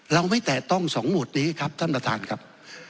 เราไม่แตะต้อง๒หมวดนี้ครับท่านประธานครับ